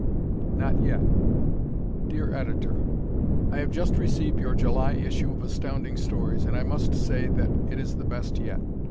Not Yet Dear Editor: I have just received your July issue of Astounding Stories, and I must say that it is the best yet.